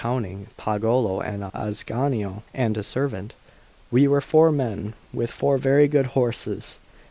Counting Pagolo and Ascanio and a servant, we were four men, with four very good horses.